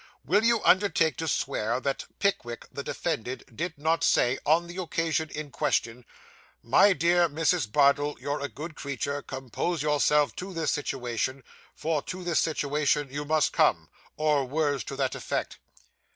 Will you undertake to swear that Pickwick, the defendant, did not say on the occasion in question "My dear Mrs. Bardell, you're a good creature; compose yourself to this situation, for to this situation you must come," or words to that effect?